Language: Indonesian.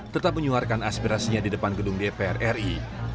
tetap menyuarkan aspirasinya di depan gedung dpr ri